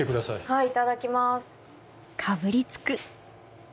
はいいただきます。